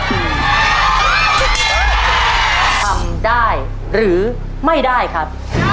ทำได้หรือไม่ได้ครับ